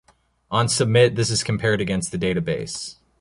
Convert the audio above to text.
On submit, this is compared against the database.